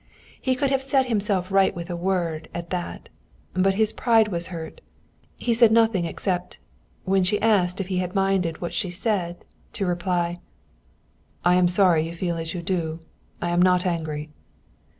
He could have set himself right with a word, at that. But his pride was hurt. He said nothing except, when she asked if he had minded what she said, to reply: "I am sorry you feel as you do. I am not angry."